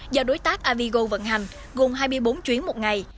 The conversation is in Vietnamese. do đối tác avigo vận hành gồm hai mươi bốn chuyến một ngày